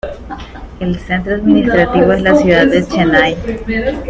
El centro administrativo es la ciudad de Chennai.